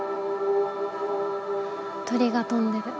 鳥が飛んでる。